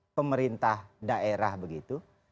dalam konteks pemerintah daerah begitu